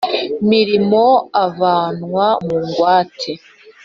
mirimo avanwa mu ngwate